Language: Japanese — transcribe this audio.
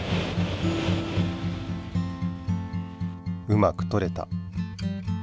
うまくとれた。